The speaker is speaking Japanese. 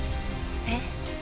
えっ？